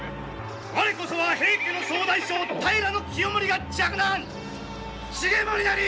我こそは平家の総大将平清盛が嫡男重盛なり！